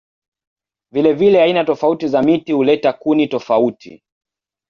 Vilevile aina tofauti za miti huleta kuni tofauti.